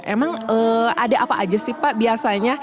emang ada apa aja sih pak biasanya